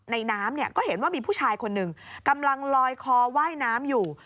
น้ำเนี่ยก็เห็นว่ามีผู้ชายคนหนึ่งกำลังลอยคอว่ายน้ำอยู่